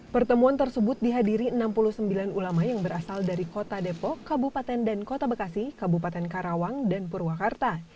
pertemuan tersebut dihadiri enam puluh sembilan ulama yang berasal dari kota depok kabupaten dan kota bekasi kabupaten karawang dan purwakarta